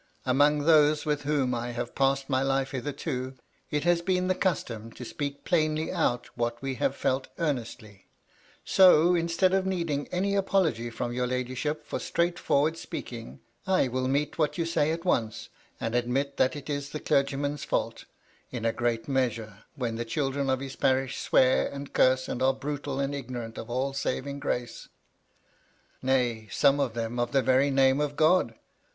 Among those with whom I have passed my life hitherto, it has been the custom to speak plainly out what we have felt earnestly. So, instead of needing any apology from your ladyship for straightforward speaking, I will meet what you say at once, and admit that it is the clergyman's fault, in a great measure, when the children of his parish swear, and curse, and are brutal, and ignorant of all saving grace ; nay, some of them of the very name of God.